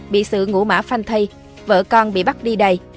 bị sự ngũ mã phanh thay vợ con bị bắt đi đầy